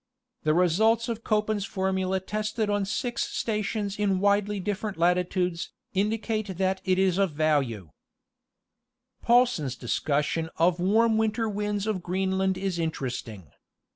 The results of Koppen's formula tested on six stations in widely dif ferent latitudes, indicate that it is of value. 60 National Geographic Magazine. Paulsen's discussion of the warm winter winds of Greenland is interesting.